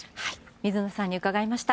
水野さんに伺いました。